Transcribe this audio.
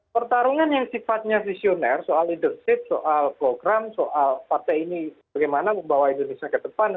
pertarungan yang sifatnya visioner soal leadership soal program soal partai ini bagaimana membawa indonesia ke depan